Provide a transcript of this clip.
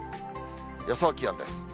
予想気温です。